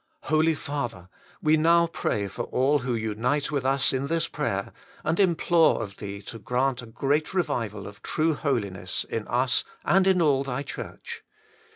Holy Father ! we now pray for all who unite with us in this prayer, and implore of Thee to grant a great revival of True Holiness in us and in all Thy Church.